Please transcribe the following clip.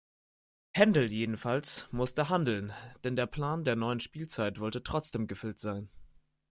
Händel jedenfalls musste handeln, denn der Plan der neuen Spielzeit wollte trotzdem gefüllt sein.